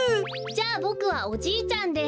じゃあボクはおじいちゃんで。